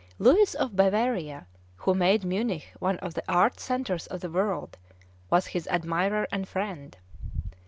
Louis of Bavaria, who made Munich one of the art centres of the world, was his admirer and friend.